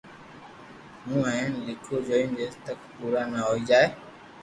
ھين ھون ليکون جيس تڪ پورا نہ ھوئي جائي